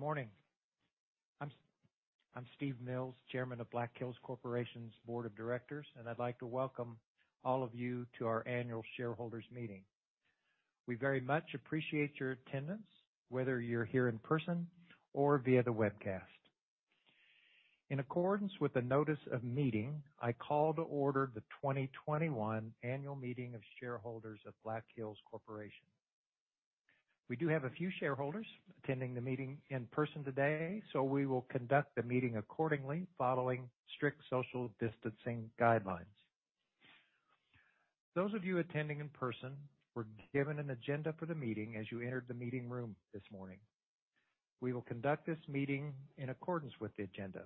Morning. I'm Steve Mills, Chairman of Black Hills Corporation's Board of Directors, and I'd like to welcome all of you to our annual shareholders meeting. We very much appreciate your attendance, whether you're here in person or via the webcast. In accordance with the notice of meeting, I call to order the 2021 annual meeting of shareholders of Black Hills Corporation. We do have a few shareholders attending the meeting in person today, so we will conduct the meeting accordingly, following strict social distancing guidelines. Those of you attending in person were given an agenda for the meeting as you entered the meeting room this morning. We will conduct this meeting in accordance with the agenda.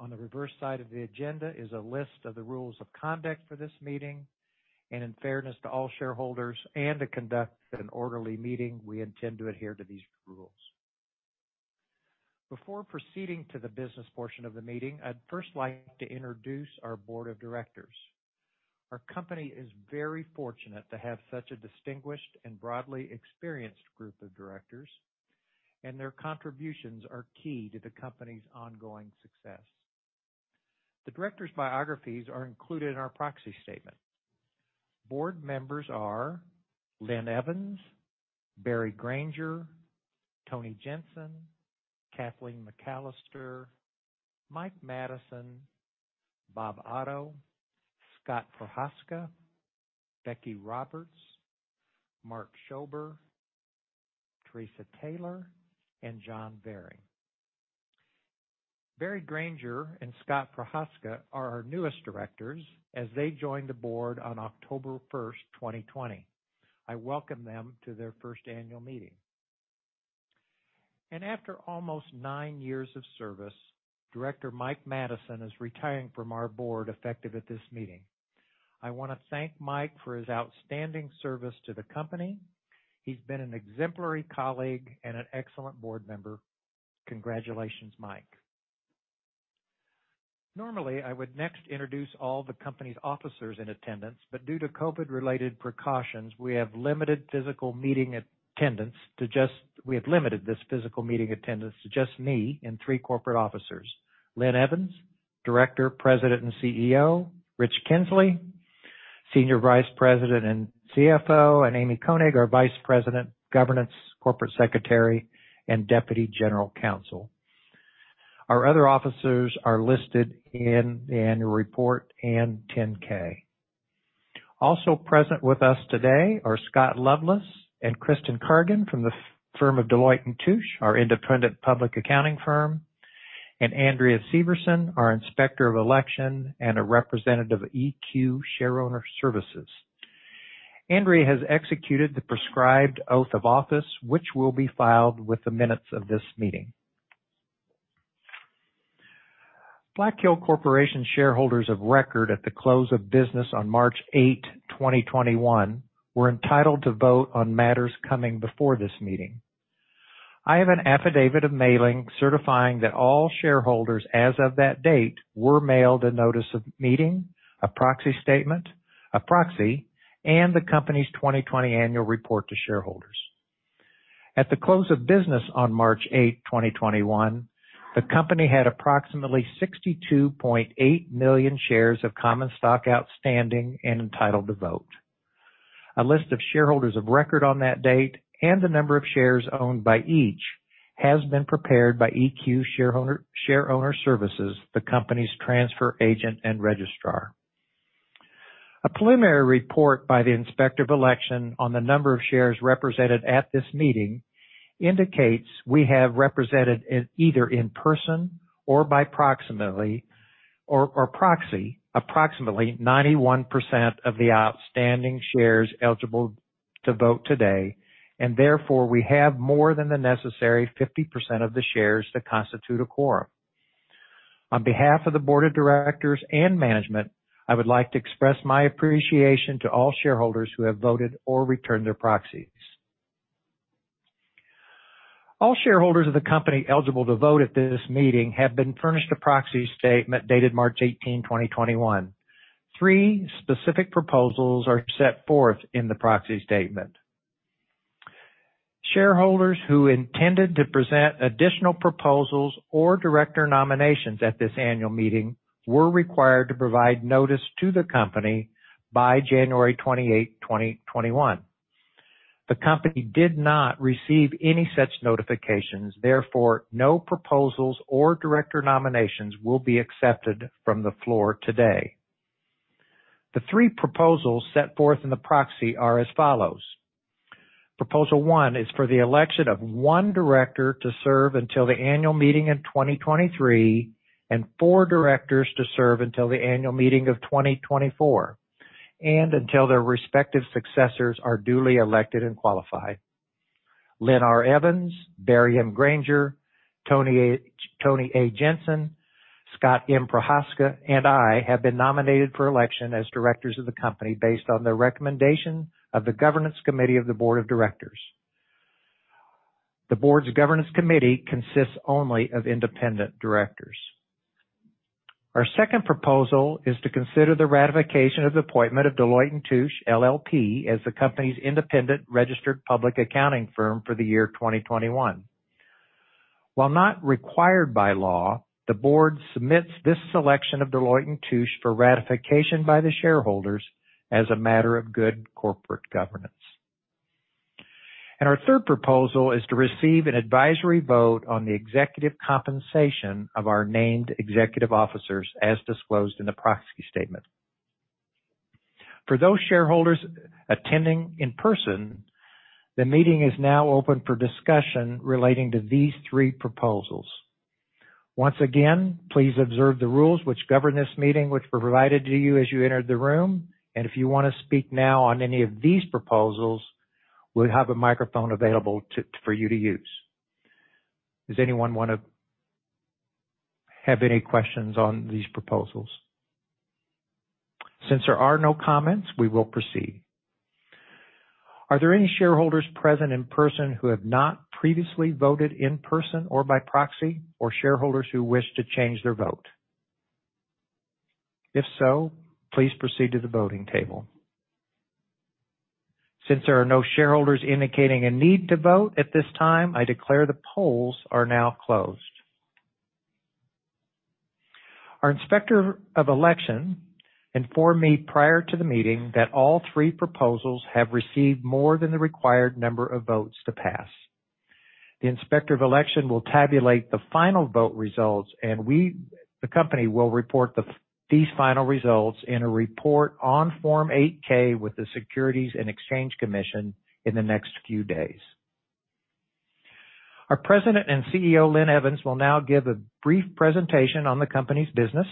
On the reverse side of the agenda is a list of the rules of conduct for this meeting, and in fairness to all shareholders and to conduct an orderly meeting, we intend to adhere to these rules. Before proceeding to the business portion of the meeting, I'd first like to introduce our board of directors. Our company is very fortunate to have such a distinguished and broadly experienced group of directors, and their contributions are key to the company's ongoing success. The directors' biographies are included in our proxy statement. Board members are Linn Evans, Barry Granger, Tony Jensen, Kathleen McAllister, Mike Madison, Bob Otto, Scott Prochazka, Becky Roberts, Mark Schober, Teresa Taylor, and John Vering. Barry Granger and Scott Prochazka are our newest directors as they joined the board on October 1st, 2020. I welcome them to their first annual meeting. After almost nine years of service, Director Mike Madison is retiring from our board effective at this meeting. I want to thank Mike for his outstanding service to the company. He's been an exemplary colleague and an excellent board member. Congratulations, Mike. Normally, I would next introduce all the company's officers in attendance, but due to COVID related precautions, we have limited this physical meeting attendance to just me and three corporate officers, Linn Evans, Director, President, and CEO, Rich Kinzley, Senior Vice President and CFO, and Amy Koenig, our Vice President, Governance, Corporate Secretary, and Deputy General Counsel. Our other officers are listed in the annual report and 10-K. Also present with us today are Scott Loveless and Kristen Carrigan from the firm of Deloitte & Touche, our independent public accounting firm, and Andrea Severson, our Inspector of Election, and a representative of EQ Shareowner Services. Andrea has executed the prescribed oath of office, which will be filed with the minutes of this meeting. Black Hills Corporation shareholders of record at the close of business on March 8, 2021, were entitled to vote on matters coming before this meeting. I have an affidavit of mailing certifying that all shareholders as of that date were mailed a notice of meeting, a proxy statement, a proxy, and the company's 2020 annual report to shareholders. At the close of business on March 8, 2021, the company had approximately 62.8 million shares of common stock outstanding and entitled to vote. A list of shareholders of record on that date and the number of shares owned by each has been prepared by EQ Shareowner Services, the company's transfer agent and registrar. A preliminary report by the Inspector of Election on the number of shares represented at this meeting indicates we have represented either in person or by proxy, approximately 91% of the outstanding shares eligible to vote today, and therefore, we have more than the necessary 50% of the shares that constitute a quorum. On behalf of the board of directors and management, I would like to express my appreciation to all shareholders who have voted or returned their proxies. All shareholders of the company eligible to vote at this meeting have been furnished a proxy statement dated March 18, 2021. Three specific proposals are set forth in the proxy statement. Shareholders who intended to present additional proposals or director nominations at this annual meeting were required to provide notice to the company by January 28th, 2021. The company did not receive any such notifications. Therefore, no proposals or director nominations will be accepted from the floor today. The three proposals set forth in the proxy are as follows. Proposal 1 is for the election of one director to serve until the annual meeting in 2023 and four directors to serve until the annual meeting of 2024, and until their respective successors are duly elected and qualified. Linn R. Evans, Barry M. Granger, Tony A. Jensen, Scott M. Prochazka, and I have been nominated for election as directors of the company based on the recommendation of the Governance Committee of the Board of Directors. The board's Governance Committee consists only of independent directors. Our second proposal is to consider the ratification of the appointment of Deloitte & Touche LLP as the company's independent registered public accounting firm for the year 2021. While not required by law, the board submits this selection of Deloitte & Touche for ratification by the shareholders as a matter of good corporate governance. Our third proposal is to receive an advisory vote on the executive compensation of our named executive officers as disclosed in the proxy statement. For those shareholders attending in person, the meeting is now open for discussion relating to these three proposals. Once again, please observe the rules which govern this meeting, which were provided to you as you entered the room. If you want to speak now on any of these proposals, we have a microphone available for you to use. Does anyone have any questions on these proposals? Since there are no comments, we will proceed. Are there any shareholders present in person who have not previously voted in person or by proxy or shareholders who wish to change their vote? If so, please proceed to the voting table. Since there are no shareholders indicating a need to vote at this time, I declare the polls are now closed. Our Inspector of Election informed me prior to the meeting that all three proposals have received more than the required number of votes to pass. The Inspector of Election will tabulate the final vote results, and the company will report these final results in a report on Form 8-K with the Securities and Exchange Commission in the next few days. Our President and CEO, Linn Evans, will now give a brief presentation on the company's business.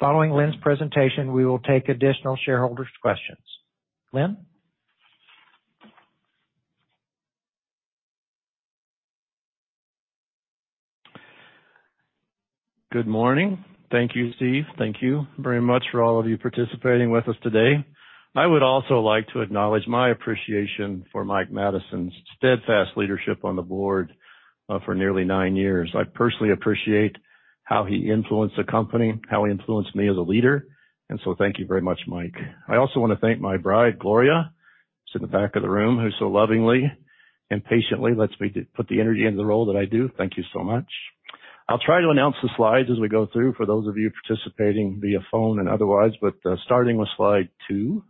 Following Linn's presentation, we will take additional shareholders' questions. Linn? Good morning. Thank you, Steve. Thank you very much for all of you participating with us today. I would also like to acknowledge my appreciation for Mike Madison's steadfast leadership on the board for nearly nine years. I personally appreciate how he influenced the company, how he influenced me as a leader. Thank you very much, Mike. I also want to thank my bride, Gloria, who's in the back of the room, who so lovingly and patiently lets me put the energy into the role that I do. Thank you so much. I'll try to announce the slides as we go through for those of you participating via phone and otherwise. Starting with slide two.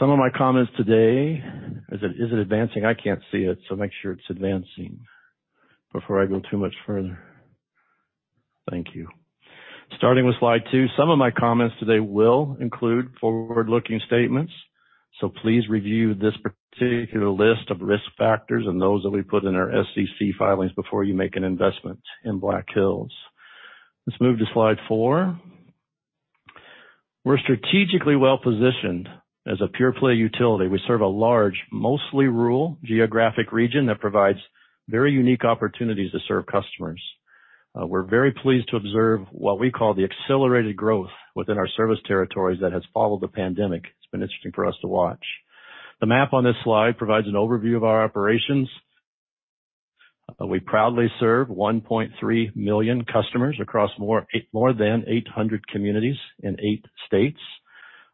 Some of my comments today. Is it advancing? I can't see it, make sure it's advancing before I go too much further. Thank you. Starting with slide two, some of my comments today will include forward-looking statements, so please review this particular list of risk factors and those that we put in our SEC filings before you make an investment in Black Hills. Let's move to slide four. We're strategically well-positioned as a pure-play utility. We serve a large, mostly rural geographic region that provides very unique opportunities to serve customers. We're very pleased to observe what we call the accelerated growth within our service territories that has followed the pandemic. It's been interesting for us to watch. The map on this slide provides an overview of our operations. We proudly serve 1.3 million customers across more than 800 communities in eight states.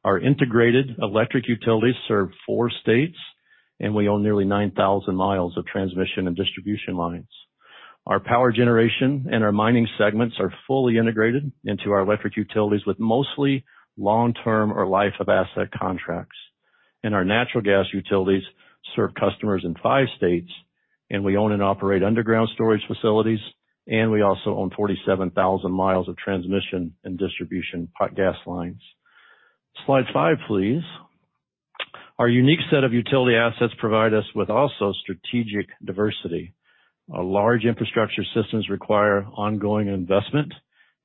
Our integrated electric utilities serve four states, and we own nearly 9,000 mi of transmission and distribution lines. Our power generation and our mining segments are fully integrated into our electric utilities with mostly long-term or life-of-asset contracts. Our natural gas utilities serve customers in five states, and we own and operate underground storage facilities, and we also own 47,000 mi of transmission and distribution gas lines. Slide five, please. Our unique set of utility assets provide us with also strategic diversity. Our large infrastructure systems require ongoing investment,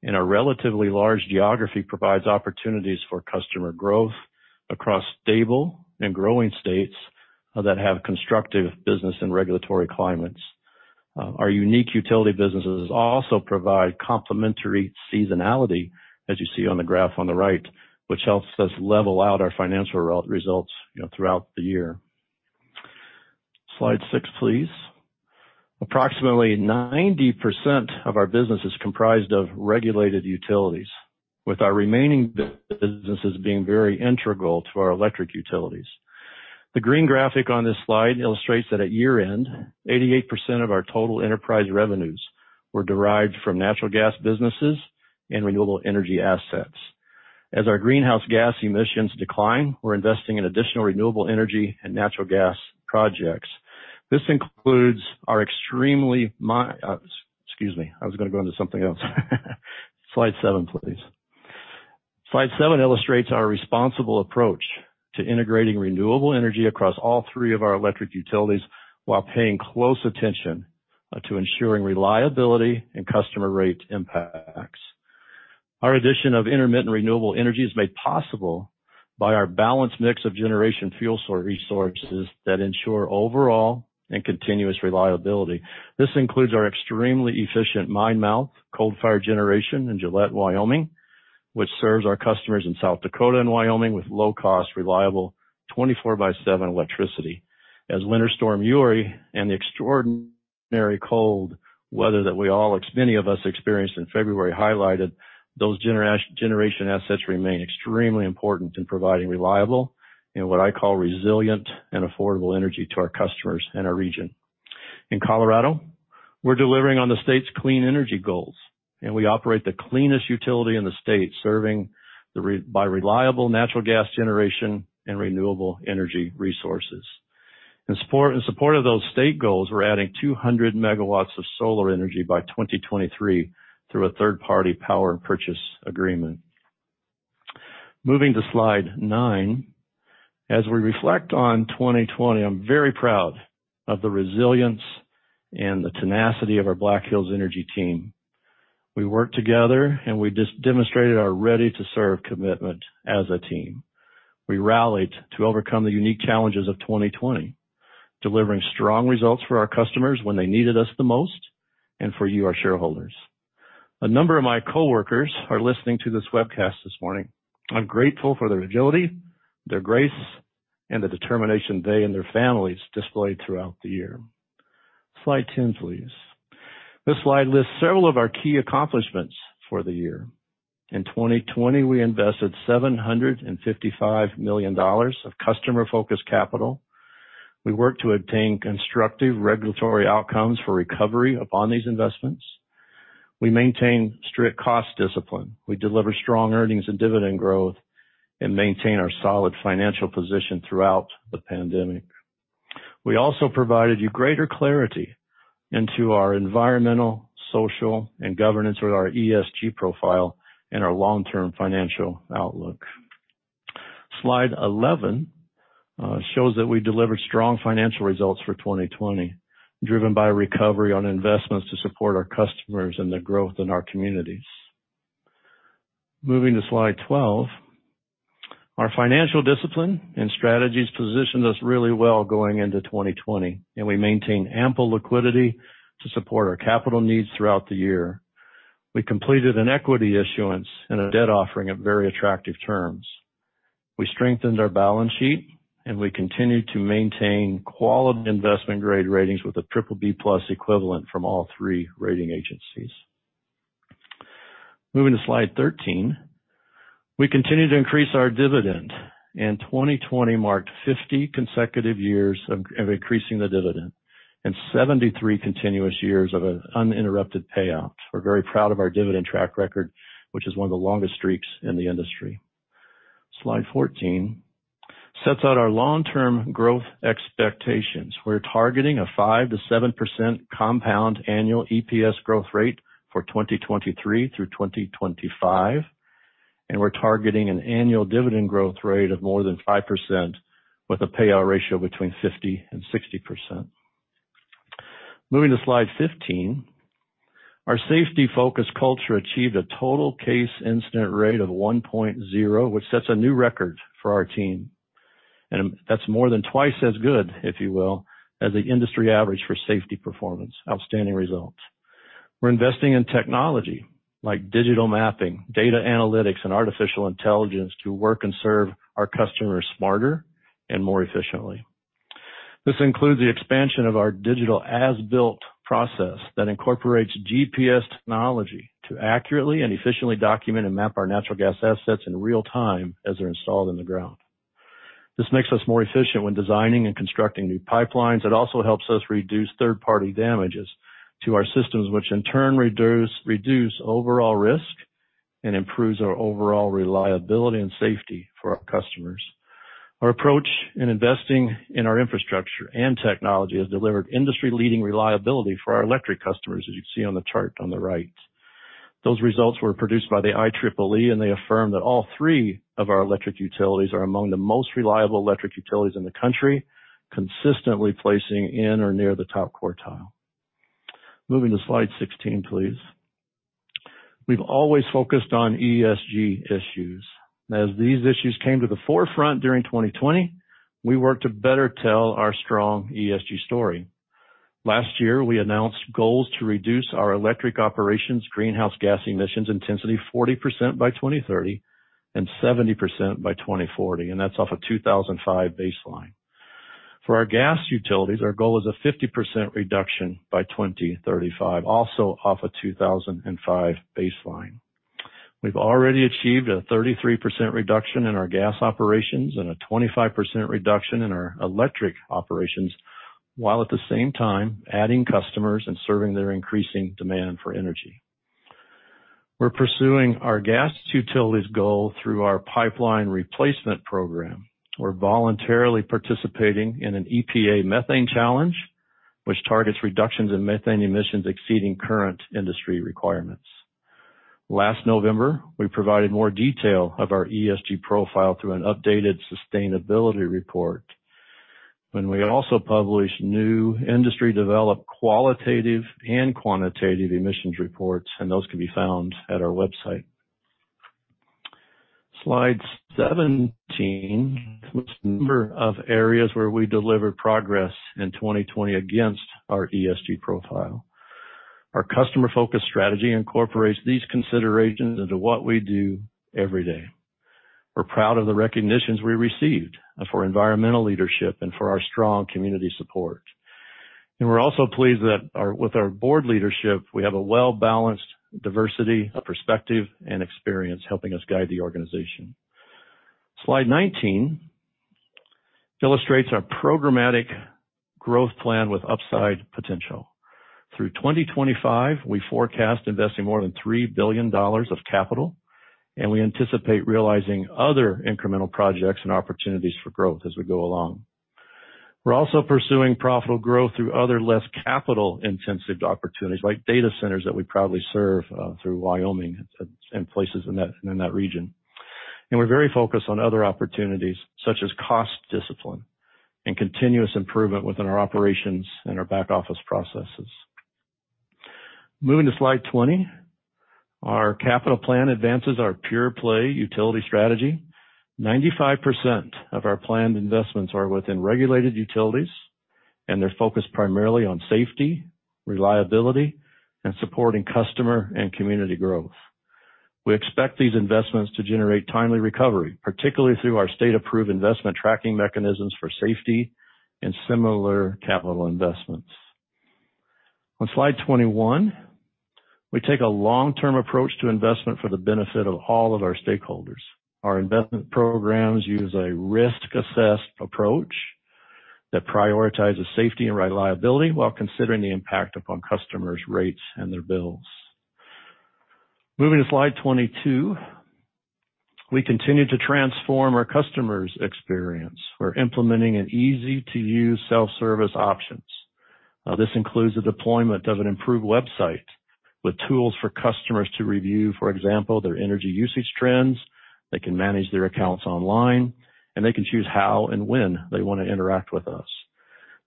our relatively large geography provides opportunities for customer growth across stable and growing states that have constructive business and regulatory climates. Our unique utility businesses also provide complementary seasonality, as you see on the graph on the right, which helps us level out our financial results throughout the year. Slide six, please. Approximately 90% of our business is comprised of regulated utilities, with our remaining businesses being very integral to our electric utilities. The green graphic on this slide illustrates that at year-end, 88% of our total enterprise revenues were derived from natural gas businesses and renewable energy assets. As our greenhouse gas emissions decline, we're investing in additional renewable energy and natural gas projects. Excuse me. I was going to go into something else. Slide seven, please. Slide seven illustrates our responsible approach to integrating renewable energy across all three of our electric utilities while paying close attention to ensuring reliability and customer rate impacts. Our addition of intermittent renewable energy is made possible by our balanced mix of generation fuel sources that ensure overall and continuous reliability. This includes our extremely efficient mine-mouth coal-fired generation in Gillette, Wyoming, which serves our customers in South Dakota and Wyoming with low-cost, reliable 24 by seven electricity. As Winter Storm Uri and the extraordinary cold weather that many of us experienced in February highlighted, those generation assets remain extremely important in providing reliable, and what I call resilient and affordable energy to our customers and our region. In Colorado, we're delivering on the state's clean energy goals. We operate the cleanest utility in the state, serving by reliable natural gas generation and renewable energy resources. In support of those state goals, we're adding 200 MW of solar energy by 2023 through a third-party power purchase agreement. Moving to slide nine. We reflect on 2020, I'm very proud of the resilience and the tenacity of our Black Hills Energy team. We worked together, and we demonstrated our ready-to-serve commitment as a team. We rallied to overcome the unique challenges of 2020, delivering strong results for our customers when they needed us the most, and for you, our shareholders. A number of my coworkers are listening to this webcast this morning. I'm grateful for their agility, their grace, and the determination they and their families displayed throughout the year. Slide 10, please. This slide lists several of our key accomplishments for the year. In 2020, we invested $755 million of customer-focused capital. We worked to obtain constructive regulatory outcomes for recovery upon these investments. We maintained strict cost discipline. We delivered strong earnings and dividend growth and maintained our solid financial position throughout the pandemic. We also provided you greater clarity into our environmental, social, and governance, or our ESG profile, and our long-term financial outlook. Slide 11 shows that we delivered strong financial results for 2020, driven by recovery on investments to support our customers and the growth in our communities. Moving to Slide 12. Our financial discipline and strategies positioned us really well going into 2020. We maintained ample liquidity to support our capital needs throughout the year. We completed an equity issuance and a debt offering at very attractive terms. We strengthened our balance sheet. We continued to maintain quality investment grade ratings with a BBB+ equivalent from all three rating agencies. Moving to Slide 13. We continued to increase our dividend. 2020 marked 50 consecutive years of increasing the dividend and 73 continuous years of an uninterrupted payout. We're very proud of our dividend track record, which is one of the longest streaks in the industry. Slide 14 sets out our long-term growth expectations. We're targeting a 5%-7% compound annual EPS growth rate for 2023 through 2025. We're targeting an annual dividend growth rate of more than 5% with a payout ratio between 50% and 60%. Moving to slide 15. Our safety-focused culture achieved a total case incident rate of 1.0, which sets a new record for our team. That's more than twice as good, if you will, as the industry average for safety performance. Outstanding results. We're investing in technology like digital mapping, data analytics, and artificial intelligence to work and serve our customers smarter and more efficiently. This includes the expansion of our digital as-built process that incorporates GPS technology to accurately and efficiently document and map our natural gas assets in real-time as they're installed in the ground. This makes us more efficient when designing and constructing new pipelines. It also helps us reduce third-party damages to our systems, which in turn, reduce overall risk and improves our overall reliability and safety for our customers. Our approach in investing in our infrastructure and technology has delivered industry-leading reliability for our electric customers, as you can see on the chart on the right. Those results were produced by the IEEE, and they affirm that all three of our electric utilities are among the most reliable electric utilities in the country, consistently placing in or near the top quartile. Moving to slide 16, please. We've always focused on ESG issues. As these issues came to the forefront during 2020, we worked to better tell our strong ESG story. Last year, we announced goals to reduce our electric operations greenhouse gas emissions intensity 40% by 2030 and 70% by 2040, and that's off a 2005 baseline. For our gas utilities, our goal is a 50% reduction by 2035, also off a 2005 baseline. We've already achieved a 33% reduction in our gas operations and a 25% reduction in our electric operations, while at the same time adding customers and serving their increasing demand for energy. We're pursuing our gas utilities goal through our pipeline replacement program. We're voluntarily participating in an EPA Methane Challenge, which targets reductions in methane emissions exceeding current industry requirements. Last November, we provided more detail of our ESG profile through an updated sustainability report when we also published new industry-developed qualitative and quantitative emissions reports, and those can be found at our website. Slide 17, which number of areas where we delivered progress in 2020 against our ESG profile. Our customer-focused strategy incorporates these considerations into what we do every day. We're proud of the recognitions we received for environmental leadership and for our strong community support. We're also pleased that with our board leadership, we have a well-balanced diversity of perspective and experience helping us guide the organization. Slide 19 illustrates our programmatic growth plan with upside potential. Through 2025, we forecast investing more than $3 billion of capital, and we anticipate realizing other incremental projects and opportunities for growth as we go along. We're also pursuing profitable growth through other less capital-intensive opportunities, like data centers that we proudly serve through Wyoming and places in that region. We're very focused on other opportunities, such as cost discipline and continuous improvement within our operations and our back-office processes. Moving to slide 20, our capital plan advances our pure play utility strategy. 95% of our planned investments are within regulated utilities. They're focused primarily on safety, reliability, and supporting customer and community growth. We expect these investments to generate timely recovery, particularly through our state-approved investment tracking mechanisms for safety and similar capital investments. On slide 21, we take a long-term approach to investment for the benefit of all of our stakeholders. Our investment programs use a risk-assessed approach that prioritizes safety and reliability while considering the impact upon customers' rates and their bills. Moving to slide 22, we continue to transform our customers' experience. We're implementing an easy-to-use self-service options. This includes the deployment of an improved website with tools for customers to review, for example, their energy usage trends. They can manage their accounts online. They can choose how and when they want to interact with us.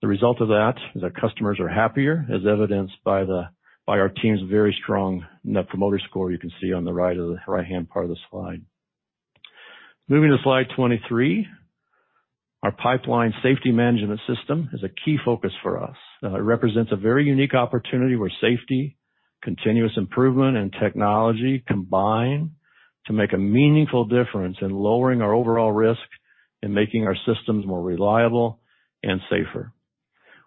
The result of that is our customers are happier, as evidenced by our team's very strong Net Promoter Score you can see on the right-hand part of the slide. Moving to slide 23, our pipeline safety management system is a key focus for us. It represents a very unique opportunity where safety, continuous improvement, and technology combine to make a meaningful difference in lowering our overall risk and making our systems more reliable and safer.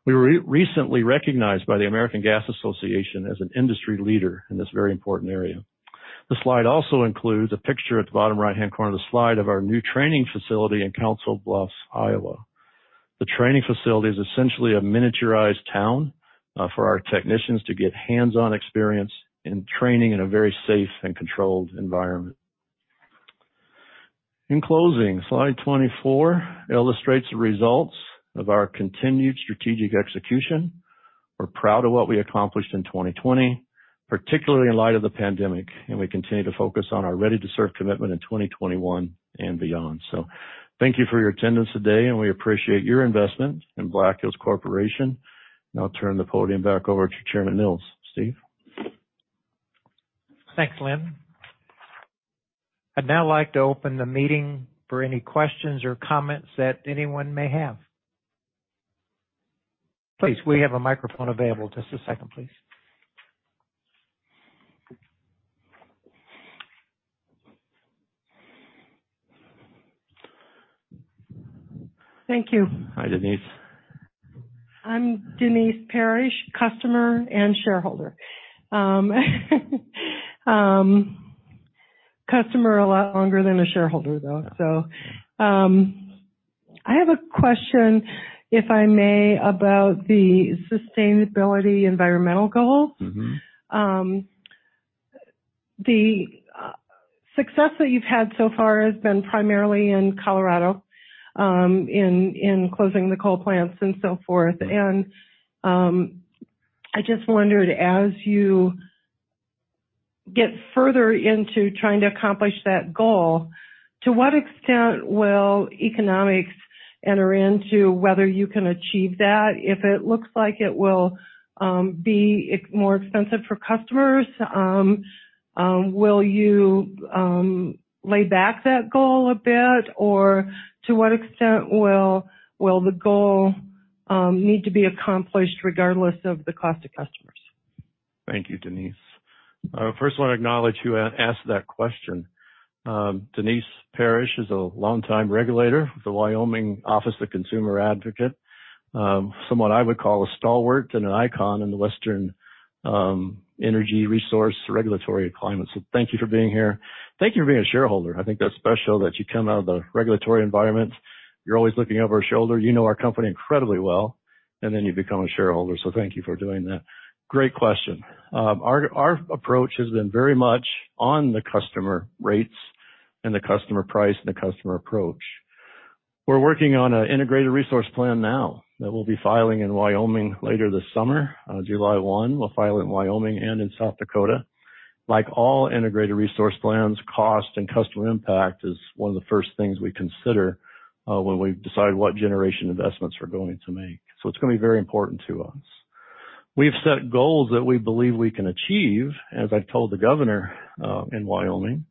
We were recently recognized by the American Gas Association as an industry leader in this very important area. The slide also includes a picture at the bottom right-hand corner of the slide of our new training facility in Council Bluffs, Iowa. The training facility is essentially a miniaturized town for our technicians to get hands-on experience in training in a very safe and controlled environment. In closing, slide 24 illustrates the results of our continued strategic execution. We're proud of what we accomplished in 2020, particularly in light of the pandemic, and we continue to focus on our ready-to-serve commitment in 2021 and beyond. Thank you for your attendance today, and we appreciate your investment in Black Hills Corporation. Now I'll turn the podium back over to Chairman Mills. Steve? Thanks, Linn. I'd now like to open the meeting for any questions or comments that anyone may have. Please, we have a microphone available. Just a second, please. Thank you. Hi, Denise. I'm Denise Parrish, customer and shareholder. Customer a lot longer than a shareholder, though. I have a question, if I may, about the sustainability environmental goal. The success that you've had so far has been primarily in Colorado, in closing the coal plants and so forth. I just wondered, as you get further into trying to accomplish that goal, to what extent will economics enter into whether you can achieve that? If it looks like it will be more expensive for customers, will you lay back that goal a bit? To what extent will the goal need to be accomplished regardless of the cost to customers? Thank you, Denise. I first want to acknowledge you asked that question. Denise Parrish is a longtime regulator with the Wyoming Office of Consumer Advocate. Someone I would call a stalwart and an icon in the Western energy resource regulatory climate. Thank you for being here. Thank you for being a shareholder. I think that's special that you come out of the regulatory environment. You're always looking over our shoulder. You know our company incredibly well, and then you become a shareholder. Thank you for doing that. Great question. Our approach has been very much on the customer rates and the customer price and the customer approach. We're working on an integrated resource plan now that we'll be filing in Wyoming later this summer. On July 1, we'll file in Wyoming and in South Dakota. Like all integrated resource plans, cost and customer impact is one of the first things we consider, when we decide what generation investments we're going to make. It's going to be very important to us. We've set goals that we believe we can achieve, as I've told the governor in Wyoming,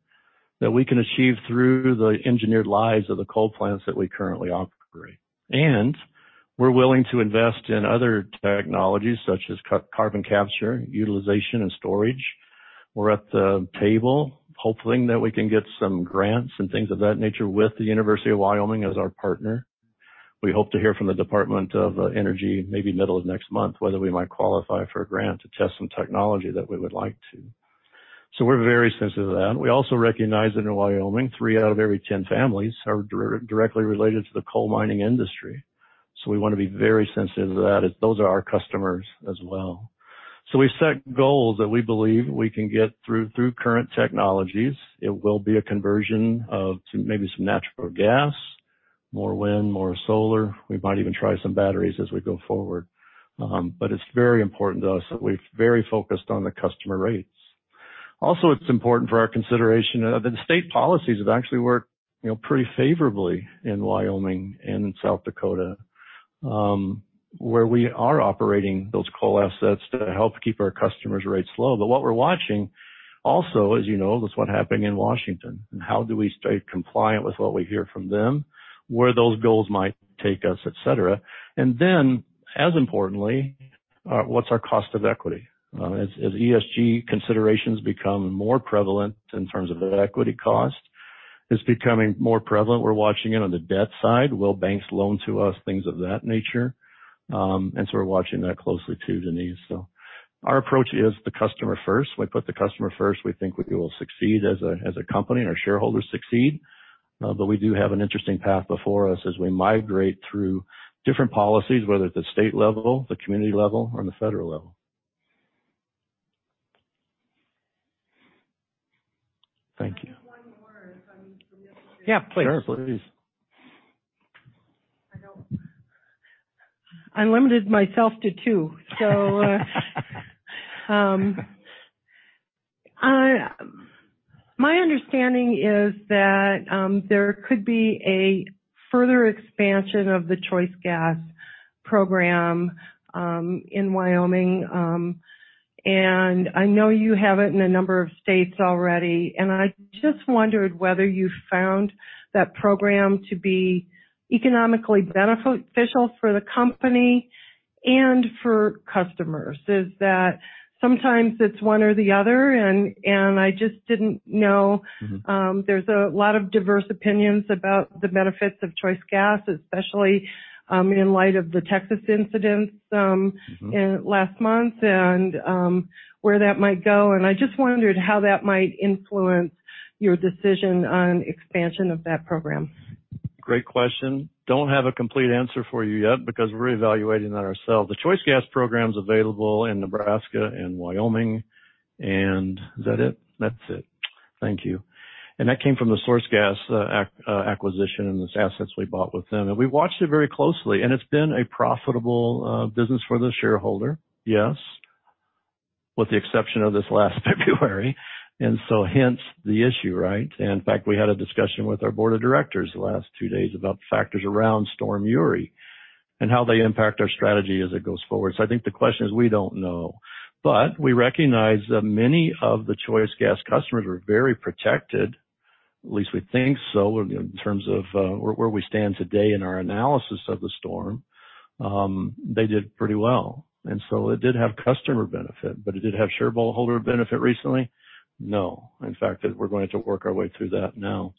that we can achieve through the engineered lives of the coal plants that we currently operate. We're willing to invest in other technologies, such as carbon capture, utilization, and storage. We're at the table hoping that we can get some grants and things of that nature with the University of Wyoming as our partner. We hope to hear from the Department of Energy, maybe middle of next month, whether we might qualify for a grant to test some technology that we would like to. We're very sensitive to that. We also recognize that in Wyoming, three out of every 10 families are directly related to the coal mining industry, so we want to be very sensitive to that, as those are our customers as well. We set goals that we believe we can get through current technologies. It will be a conversion of maybe some natural gas, more wind, more solar. We might even try some batteries as we go forward. It's very important to us that we're very focused on the customer rates. Also, it's important for our consideration that the state policies have actually worked pretty favorably in Wyoming and South Dakota, where we are operating those coal assets to help keep our customers' rates low. What we're watching also is, you know, what's happening in Washington, and how do we stay compliant with what we hear from them, where those goals might take us, et cetera. Then, as importantly, what's our cost of equity? As ESG considerations become more prevalent in terms of equity cost, it's becoming more prevalent. We're watching it on the debt side. Will banks loan to us? Things of that nature. So we're watching that closely, too, Denise. Our approach is the customer first. We put the customer first. We think we will succeed as a company and our shareholders succeed. We do have an interesting path before us as we migrate through different policies, whether at the state level, the community level, or the federal level. Thank you. I have one more if I'm permitted. Yeah, please. Sure, please. I limited myself to two. My understanding is that there could be a further expansion of the Choice Gas program in Wyoming. I know you have it in a number of states already, and I just wondered whether you found that program to be economically beneficial for the company and for customers. Is that sometimes it's one or the other? I just didn't know. There's a lot of diverse opinions about the benefits of Choice Gas, especially in light of the Texas incidents. Last month and where that might go. I just wondered how that might influence your decision on expansion of that program. Great question. Don't have a complete answer for you yet because we're evaluating that ourselves. The Choice Gas program's available in Nebraska and Wyoming. Is that it? That's it. Thank you. That came from the SourceGas acquisition and those assets we bought with them. We watched it very closely, and it's been a profitable business for the shareholder, yes, with the exception of this last February. Hence the issue, right? In fact, we had a discussion with our board of directors the last two days about the factors around Storm Uri and how they impact our strategy as it goes forward. I think the question is, we don't know. We recognize that many of the Choice Gas customers are very protected, at least we think so in terms of where we stand today in our analysis of the storm. They did pretty well. It did have customer benefit. Did it have shareholder benefit recently? No. In fact, we're going to have to work our way through that now.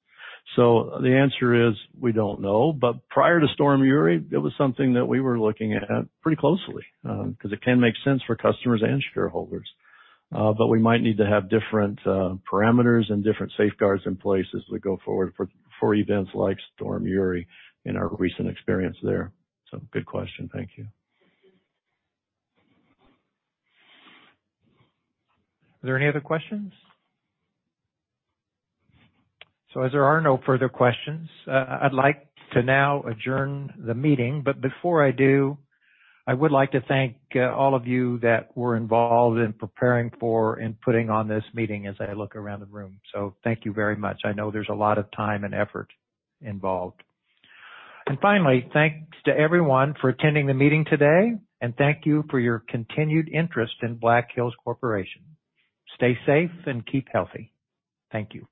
The answer is, we don't know. Prior to Storm Uri, it was something that we were looking at pretty closely, because it can make sense for customers and shareholders. We might need to have different parameters and different safeguards in place as we go forward for events like Storm Uri in our recent experience there. Good question. Thank you. Thank you. Are there any other questions? As there are no further questions, I'd like to now adjourn the meeting. Before I do, I would like to thank all of you that were involved in preparing for and putting on this meeting, as I look around the room. Thank you very much. I know there's a lot of time and effort involved. Finally, thanks to everyone for attending the meeting today, and thank you for your continued interest in Black Hills Corporation. Stay safe and keep healthy. Thank you.